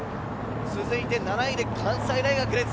続いて７位で関西大学です。